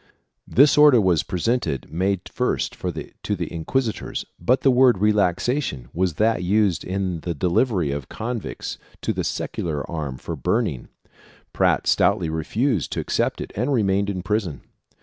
This order was presented May 1st to the inquis itors, but the word " relaxation" was that used in the delivery of convicts to the secular arm for burning; Prat stoutly refused to accept it and remained in prison.